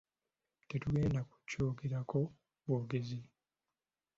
Tetugenda ku kyogerako bwogezi.